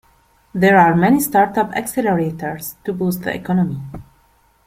There are many startup accelerators to boost the economy.